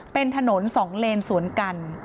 เป็นถนน๒เลนสวนกัน